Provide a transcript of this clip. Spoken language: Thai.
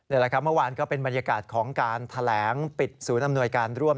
นี่แหละครับเมื่อวานก็เป็นบรรยากาศของการแถลงปิดศูนย์อำนวยการร่วม